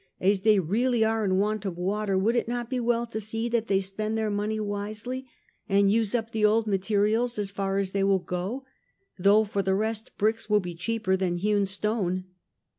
As they really are in want of water, would it not be well to see that they spend their money wisely, and use up the old materials as far as they will go, though for the rest bricks will be cheaper than hewn •.stone?'